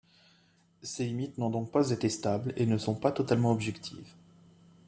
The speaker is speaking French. Ses limites n'ont donc pas été stables et ne sont pas totalement objectives.